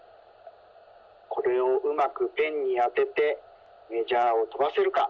これをうまくペンにあててメジャーをとばせるか。